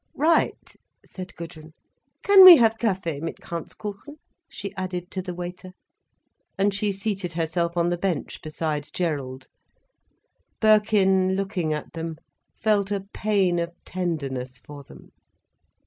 "Right," said Gudrun. "Can we have Kaffee mit Kranzkuchen?" she added to the waiter. And she seated herself on the bench beside Gerald. Birkin, looking at them, felt a pain of tenderness for them.